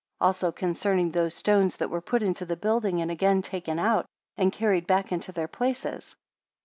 45 Also concerning those stones that were put into the building, and again taken out, and carried back into their places?